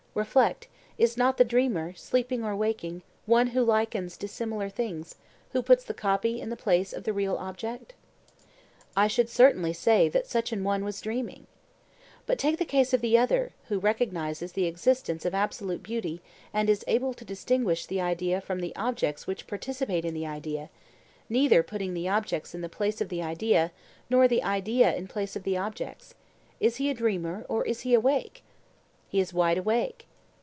Reflect: is not the dreamer, sleeping or waking, one who likens dissimilar things, who puts the copy in the place of the real object? I should certainly say that such an one was dreaming. But take the case of the other, who recognises the existence of absolute beauty and is able to distinguish the idea from the objects which participate in the idea, neither putting the objects in the place of the idea nor the idea in the place of the objects—is he a dreamer, or is he awake? He is wide awake.